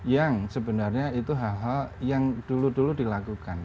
yang sebenarnya itu hal hal yang dulu dulu dilakukan